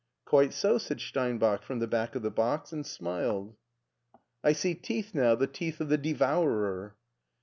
" Quite so," said Steinbach, from the back of the boX| and smiled. LEIPSIC 123 " I see teeth now — ^the teeth of the devourer."